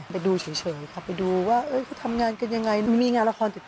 ไปดูเฉยค่ะไปดูว่าทำงานเขายังไง